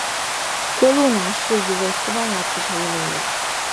哥路拿是一位西班牙足球运动员。